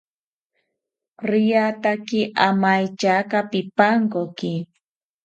Riataki amaetyaka pipankoki